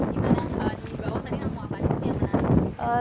di bawah tadi kamu apa tadi sih yang menarik